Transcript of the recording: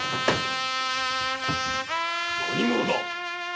何者だ？